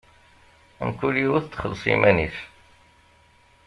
Mkul yiwet txelleṣ iman-is.